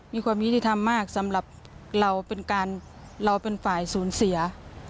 มีความยุติธรรมมากสำหรับเราเป็นการเราเป็นฝ่ายศูนย์เสีย